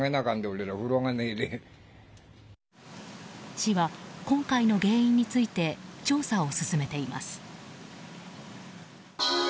市は今回の原因について調査を進めています。